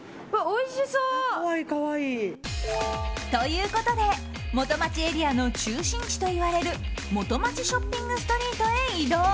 おいしそう。ということで元町エリアの中心地といわれる元町ショッピングストリートへ移動。